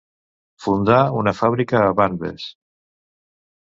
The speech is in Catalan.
Fundà una fàbrica a Vanves.